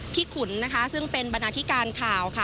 พี่ขุนซึ่งเป็นบันดาลิการณ์ข่าว